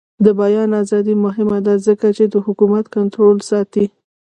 د بیان ازادي مهمه ده ځکه چې د حکومت کنټرول ساتي.